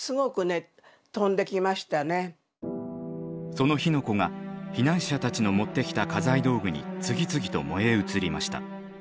その火の粉が避難者たちの持ってきた家財道具に次々と燃え移りました。